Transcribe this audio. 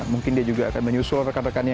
mungkin dia juga akan menyusul rekan rekan ini